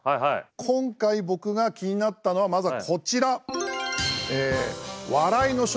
今回僕が気になったのはまずこちら。